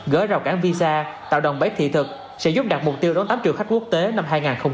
gỡ rào cản visa tạo đòn bẫy thị thực sẽ giúp đạt mục tiêu đón tám triệu khách quốc tế năm hai nghìn hai mươi bốn